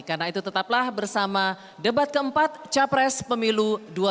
karena itu tetaplah bersama debat keempat capres pemilu dua ribu sembilan belas